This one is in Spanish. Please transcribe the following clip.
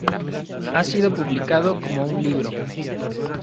Ha sido publicado como un libro.